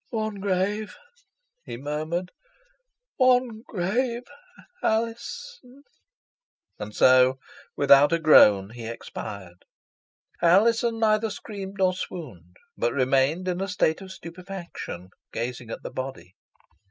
"One grave!" he murmured; "one grave, Alizon!" And so, without a groan, he expired. Alizon neither screamed nor swooned, but remained in a state of stupefaction, gazing at the body.